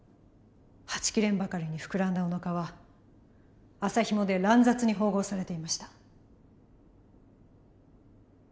はちきれんばかりに膨らんだおなかは麻ひもで乱雑に縫合されていました。